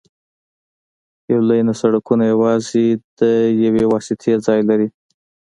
یو لینه سړکونه یوازې د یوې واسطې ځای لري